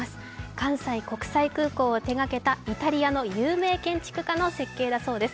関西国際空港を手がけたイタリアの有名建築家の設計だそうです。